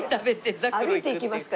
歩いて行きますか？